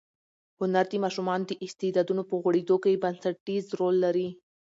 هنر د ماشومانو د استعدادونو په غوړېدو کې بنسټیز رول لري.